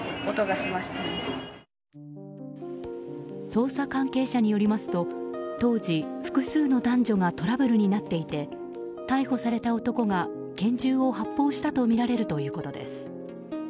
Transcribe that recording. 捜査関係者によりますと当時、複数の男女がトラブルになっていて逮捕された男が拳銃を発砲したとみられるということです。